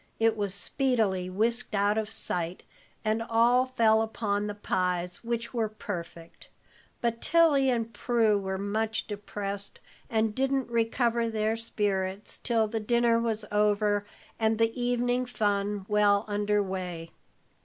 It was speedily whisked out of sight, and all fell upon the pies, which were perfect. But Tilly and Prue were much depressed, and didn't recover their spirits till the dinner was over and the evening fun well under way.